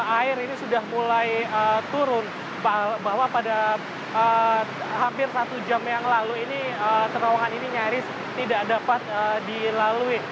air ini sudah mulai turun bahwa pada hampir satu jam yang lalu ini terowongan ini nyaris tidak dapat dilalui